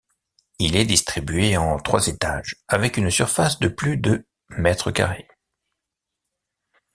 Il est distribué en trois étages avec une surface de plus de mètres carrés.